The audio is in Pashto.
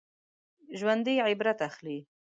ژوندي عبرت اخلي